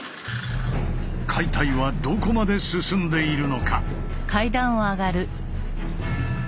解体はどこまで進んでいるのか。